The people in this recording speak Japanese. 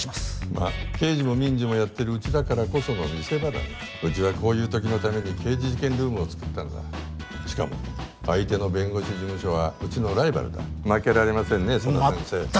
まっ刑事も民事もやってるうちだからこその見せ場だねうちはこういうときのために刑事事件ルームをつくったんだしかも相手の弁護士事務所はうちのライバルだ負けられませんね